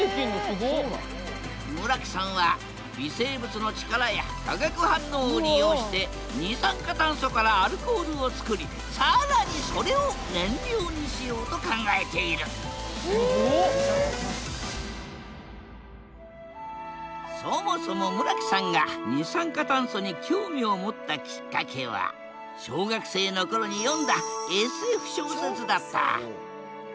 村木さんは微生物の力や化学反応を利用して二酸化炭素からアルコールを作り更にそれを燃料にしようと考えているそもそも村木さんが二酸化炭素に興味を持ったきっかけは小学生の頃に読んだＳＦ小説だった。